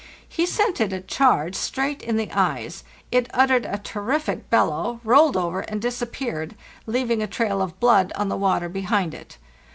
He sent it a charge straight in the eyes, it uttered a terrific bellow, rolled over, and dis appeared, leaving a trail of blood on the water behind it.